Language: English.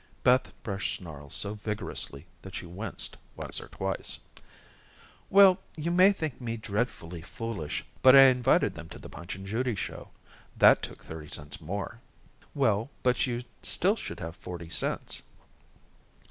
Beth brushed snarls so vigorously that she winced once or twice. "Well, you may think me dreadfully foolish, but I invited them to the Punch and Judy show. That took thirty cents more." "Well, but you still should have forty cents."